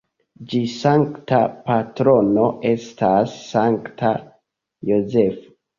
Ĝia sankta patrono estas Sankta Jozefo.